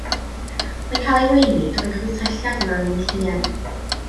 Mae'n cael ei weini drwy chwistrelliad i mewn i wythïen.